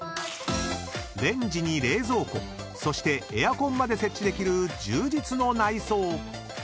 ［レンジに冷蔵庫そしてエアコンまで設置できる充実の内装］